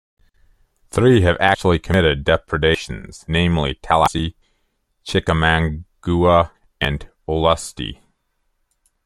Three have actually committed depredations, namely, Tallahassee, Chickamauga, and Olustee.